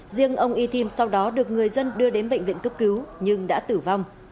riêng ông y thim sau đó được người dân đưa đến bệnh viện cấp cứu nhưng đã tử vong